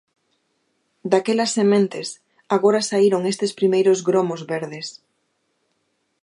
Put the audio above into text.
Daquelas sementes, agora saíron estes primeiros gromos verdes.